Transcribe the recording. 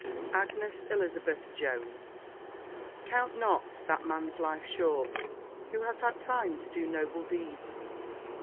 X AGNES ELIZABETH JONES "Count not that man's life short who has had time to do noble deeds."